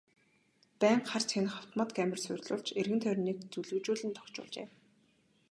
Байнга харж хянах автомат камер суурилуулж эргэн тойрныг зүлэгжүүлэн тохижуулжээ.